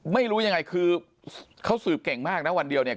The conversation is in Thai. ไม่รู้อย่างไรคือเขาสืบเก่งมากนะวันเดียว